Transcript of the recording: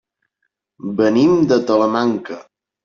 Venim de Talamanca.